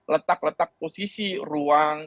letak letak posisi ruang